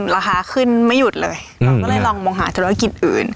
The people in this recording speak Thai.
ราคาขึ้นไม่หยุดเลยเราก็เลยลองมองหาธุรกิจอื่น